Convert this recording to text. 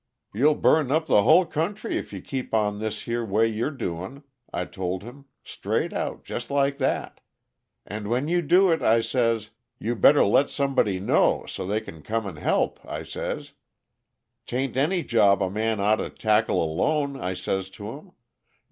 'You'll burn up the hull country if you keep on this here way you're doing,' I told him straight out, just like that. 'And when you do it,' I says, 'you better let somebody know, so's they can come an' help,' I says. ''Tain't any job a man oughta tackle alone,' I says to him.